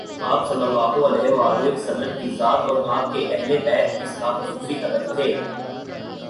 آپﷺ کی ذات اور آپ کے اہل بیت اس کاخصوصی ہدف تھے۔